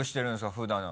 普段。